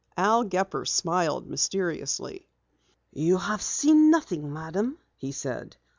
Al Gepper smiled mysteriously. "You have seen nothing, Madam," he said.